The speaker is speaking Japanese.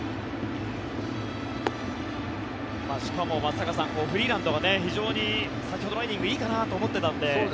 しかも、松坂さんフリーランドが非常に先ほどイニングいいかなと思っていたので。